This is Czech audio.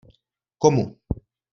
Komu!